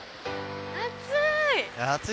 暑い！